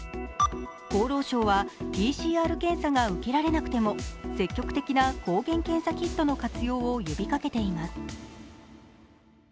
厚労省はＰＣＲ検査が受けられなくても積極的な抗原検査キットの活用を呼びかけています。